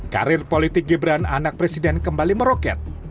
karir politik gibran anak presiden kembali meroket